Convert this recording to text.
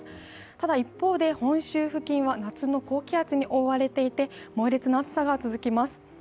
ただ一方で、本州付近は夏の高気圧に覆われていて猛烈な暑さが続きます。